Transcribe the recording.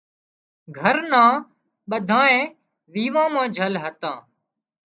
گھرنان ٻڌانئين ويوان مان جھل هتان